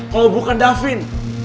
kalo bukan davin